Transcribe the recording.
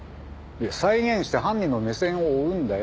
いや再現して犯人の目線を追うんだよ。